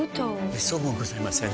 めっそうもございません。